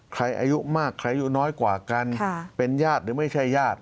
อายุมากใครอายุน้อยกว่ากันเป็นญาติหรือไม่ใช่ญาติ